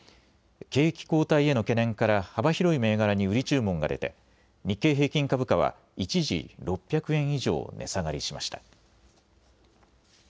景気後退への懸念から幅広い銘柄に売り注文が出て日経平均株価は一時、６００円以上、値下がりしました。